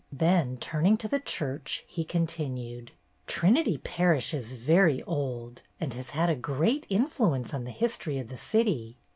Then turning to the church, he continued : "Trinity Parish is very old and has had a great influence on the history of the city.